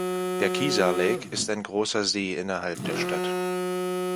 Der Kezar Lake ist ein großer See innerhalb der Stadt.